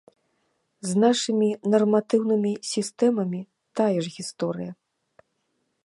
З нашымі нарматыўнымі сістэмамі тая ж гісторыя.